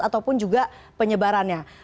ataupun juga penyebarannya